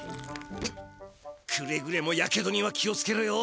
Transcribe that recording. くれぐれもやけどには気をつけろよ。